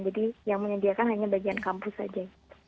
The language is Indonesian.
jadi yang menyediakan hanya bagian kampus saja